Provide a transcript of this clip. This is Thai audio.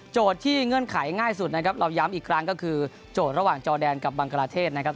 ที่เงื่อนไขง่ายสุดนะครับเราย้ำอีกครั้งก็คือโจทย์ระหว่างจอแดนกับบังกลาเทศนะครับ